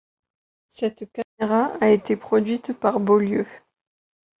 Cette caméra a été produite par Beaulieu.